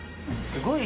すごい！